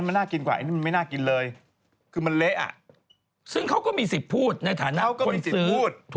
อันนี้เป็นพนักงานมิสเตอร์โดนัตต์